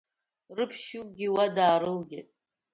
Рыԥшьҩыкгьы уа даарылгеит.